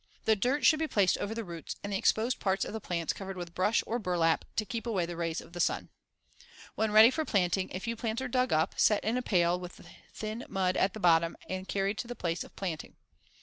The dirt should be placed over the roots and the exposed parts of the plants covered with brush or burlap to keep away the rays of the sun. When ready for planting, a few plants are dug up, set in a pail with thin mud at the bottom and carried to the place of planting.